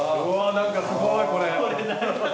何かすごいこれ。